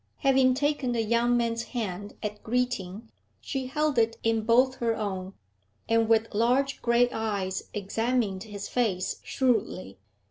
Having taken the young man's hand at greeting, she held it in both her own, and with large, grey eyes examined his face shrewdly.